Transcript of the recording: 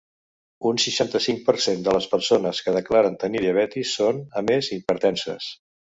Un seixanta-cinc per cent de les persones que declaren tenir diabetis són, a més, hipertenses.